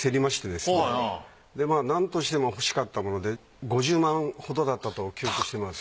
でまあなんとしても欲しかったもので５０万ほどだったと記憶してます。